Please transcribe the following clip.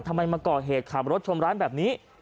ทำไมมาก่อเหตุขับรถชมร้านแบบนี้